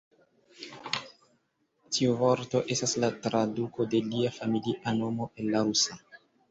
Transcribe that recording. Tiu vorto estas la traduko de lia familia nomo el la rusa.